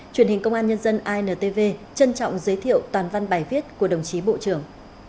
truyền hình công an nhân dân intv trân trọng giới thiệu toàn văn bài viết của đồng chí bộ trưởng